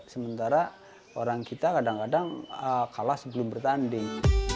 sementara orang kita kadang kadang kalah sebelum bertanding